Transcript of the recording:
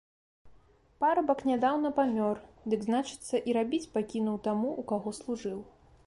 Парабак нядаўна памёр, дык, значыцца, і рабіць пакінуў таму, у каго служыў.